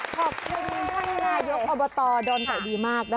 ขอบคุณค่ะยกอบตดอนไกดีมาก